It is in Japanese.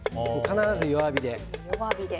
必ず弱火で。